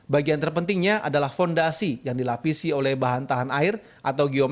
bagian terpentingnya adalah fondasi yang dilapisi oleh bahan tahan air atau geometri